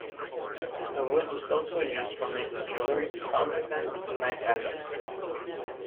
The wood is also used for making jewelery, fountain pens and knife handles.